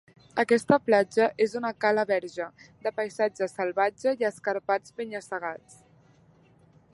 Aquesta platja és una cala verge, de paisatge salvatge i escarpats penya-segats.